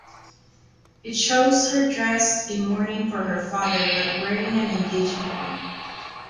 It shows her dressed in mourning for her father but wearing an engagement ring.